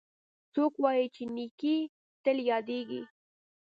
څوک وایي چې نیکۍ تل یادیږي